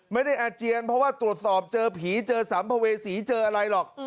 อาเจียนเพราะว่าตรวจสอบเจอผีเจอสัมภเวษีเจออะไรหรอก